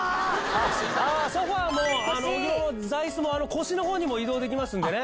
ソファも尾木ママの座椅子も腰の方にも移動できますのでね。